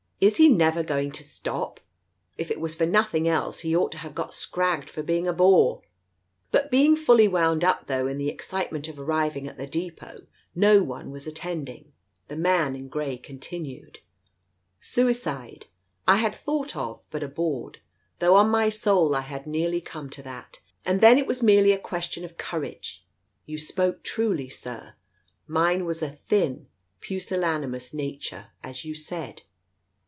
"Is he never going to stop ? If it was for nothing else, he ought to have got scragged for being a bore !" But being fully wound up, though in the excitement of arriving at the depdt no one was attending, the man in grey continued, "Suicide I had thought of, but abhorred, though on my soul I had nearly come to that, and then it was merely a question of courage — you spoke truly, Sir. Mine was a thin, pusillanimous nature, as you said.